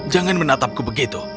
jangan menatapku begitu